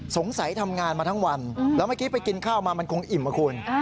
ทำงานมาทั้งวันแล้วเมื่อกี้ไปกินข้าวมามันคงอิ่มนะคุณ